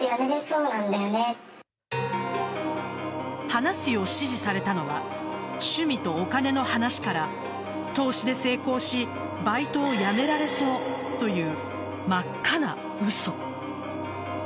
話すよう指示されたのは趣味とお金の話から投資で成功しバイトを辞められそうという真っ赤な嘘。